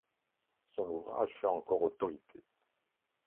Son ouvrage fait encore autorité.